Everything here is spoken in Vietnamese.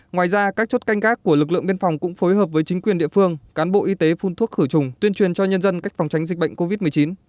ngoài ra các chốt canh gác của lực lượng biên phòng cũng phối hợp với chính quyền địa phương cán bộ y tế phun thuốc khử trùng tuyên truyền cho nhân dân cách phòng tránh dịch bệnh covid một mươi chín